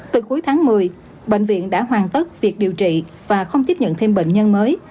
từ cuối tháng một mươi bệnh viện đã hoàn tất việc điều trị và không tiếp nhận thêm bệnh nhân mới